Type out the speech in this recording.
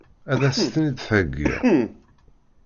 Ad as-ten-id-theggiḍ?